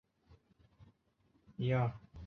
张骘开始是段业的属官。